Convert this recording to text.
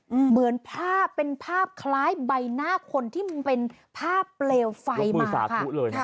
เหมือนภาพเป็นภาพคล้ายใบหน้าคนที่เป็นภาพเปลวไฟมาสาธุเลยนะ